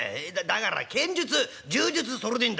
だから剣術柔術それでいいんだい」。